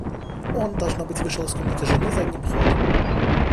Он, должно быть, вышел из комнаты жены задним ходом.